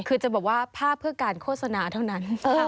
คือจะบอกว่าภาพเพื่อการโฆษณาเท่านั้น